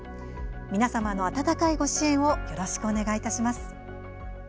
皆様の温かいご支援をよろしくお願いいたします。